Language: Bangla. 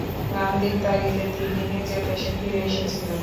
গান্ধীর তাগিদে তিনি নিজের দেশে ফিরে এসেছিলেন।